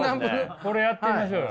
これやってみましょうよ。